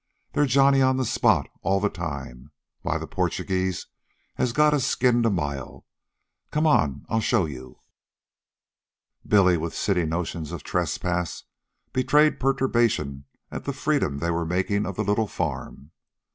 They're Johnny on the spot all the time. Why, the Porchugeeze has got us skinned a mile. Come on, I'll show you." Billy, with city notions of trespass, betrayed perturbation at the freedom they were making of the little farm.